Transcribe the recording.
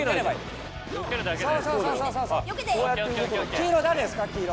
黄色誰ですか黄色。